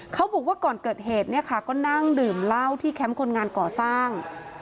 เขาบอกว่าก่อนเกิดเหตุเนี่ยค่ะก็นั่งดื่มเหล้าที่แคมป์คนงานก่อสร้าง